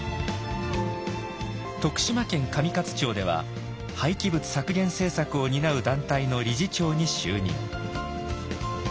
徳島県上勝町では廃棄物削減政策を担う団体の理事長に就任。